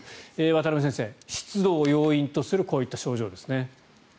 渡邊先生、湿度を要因とするこういった症状ですね。